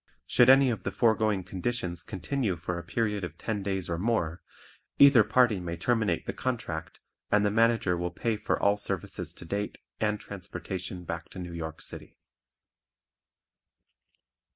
Should any of the foregoing conditions continue for a period of ten days or more, either party may terminate the contract and the Manager will pay for all services to date and transportation back to New York City.